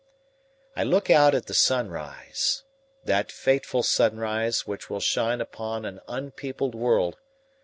I look out at the sunrise that fateful sunrise which will shine upon an unpeopled world.